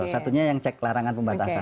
satunya yang cek larangan pembatasan